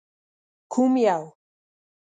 _کوم يو؟